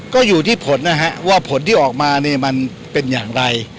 ก็อยู่ที่ผลนะฮะว่าผลที่ออกมาเนี่ยมันเป็นอย่างไร